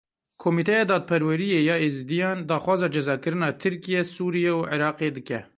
Komîteya Dadperweriyê ya Êzidiyan daxwaza cezakirina Tirkiye, Sûriye û Iraqê dike.